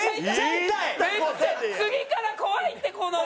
次から怖いってこの。